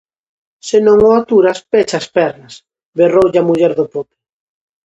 -Se non o aturas, pecha as pernas! -berroulle a muller do pope.